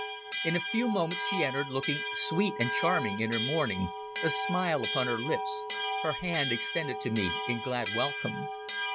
In a few moments she entered, looking sweet and charming in her mourning, a smile upon her lips, her hand extended to me in glad welcome.